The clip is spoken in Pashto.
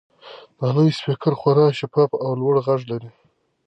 دا نوی سپیکر خورا شفاف او لوړ غږ لري.